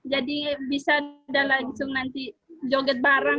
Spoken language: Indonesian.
jadi bisa udah langsung nanti joget bareng